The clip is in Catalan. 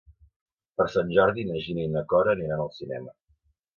Per Sant Jordi na Gina i na Cora aniran al cinema.